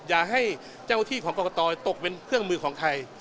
อย่าให้เจ้าที่ของกรกตตกเป็นเครื่องมือของไทย